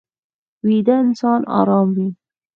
ویده انسان ارام وي